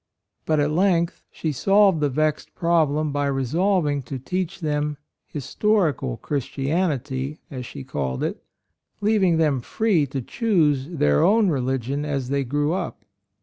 But at length she solved the vexed problem by resolving to teach them "historical Christi anity," as she called it, leaving them free to choose their own religion as they grew up.